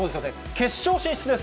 決勝進出です。